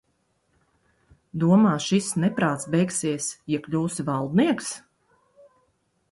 Domā, šis neprāts beigsies, ja kļūsi valdnieks?